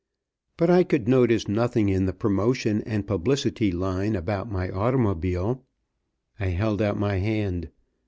But I could notice nothing in the promotion and publicity line about my automobile. I held out my hand.